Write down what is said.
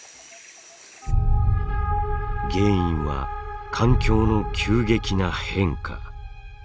原因は環境の急激な変化。